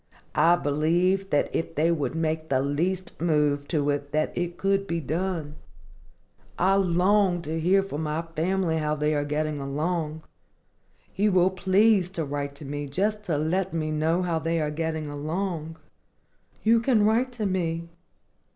I believe that if they would make the least move to it that it could be done. I long to hear from my family how they are getting along. You will please to write to me just to let me know how they are getting along. You can write to me.